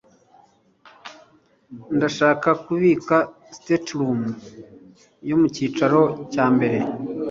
Ndashaka kubika stateroom yo mucyiciro cya mbere.